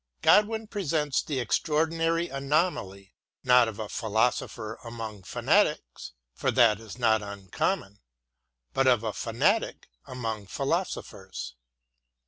Godwin presents the extraordinary anomaly, not of a philosopher among fanatics — for that is not uncommon — but of a fanatic among philosophers.